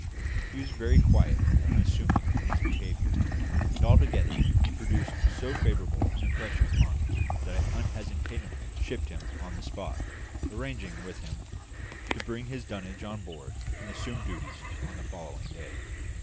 He was very quiet and unassuming in his behaviour; and altogether he produced so favourable an impression upon me that I unhesitatingly shipped him on the spot, arranging with him to bring his dunnage on board and assume duty on the following day.